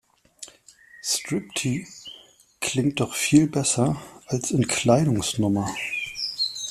Striptease klingt doch viel besser als Entkleidungsnummer.